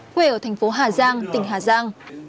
quê ở thành phố hà giang tỉnh hà giang